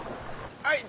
はい。